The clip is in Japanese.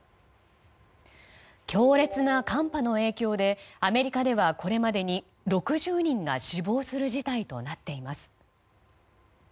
強烈な寒波の影響でアメリカではこれまでに６０人が死亡する事態となっています。